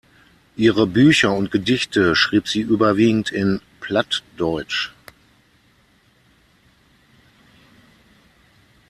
Ihre Bücher und Gedichte schrieb sie überwiegend in Plattdeutsch.